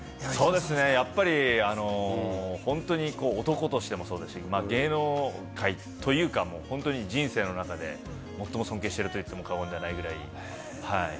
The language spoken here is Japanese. そうですね、やっぱり男としてもそうですし、芸能界というか、本当に人生の中で最も尊敬してると言っても過言ではないくらい。